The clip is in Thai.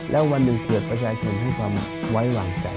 แล้ววันหนึ่งเกิดประชาชนให้ความไว้วางใจ